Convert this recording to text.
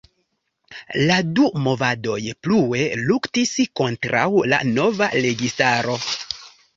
La du movadoj plue luktis kontraŭ la nova registaro.